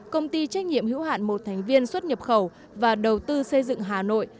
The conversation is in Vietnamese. công ty trách nhiệm hữu hạn một thành viên xuất nhập khẩu và đầu tư xây dựng hà nội